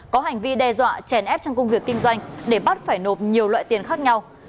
có hành vi đe dọa chèn ép trong công việc kinh doanh để bắt phải nộp nhiều loại tiền khác nhau